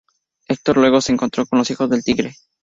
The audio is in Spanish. Hector luego se encontró con los Hijos del Tigre.